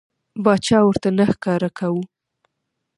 باچا ورته نه ښکاره کاوه.